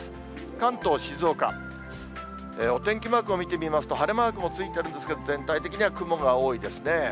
関東、静岡、お天気マークを見ると、晴れマークもついてるんですけど、全体的には雲が多いですね。